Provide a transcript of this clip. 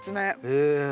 へえ。